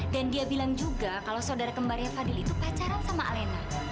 dan dia bilang juga kalau saudara kembarnya fadil itu pacaran sama alena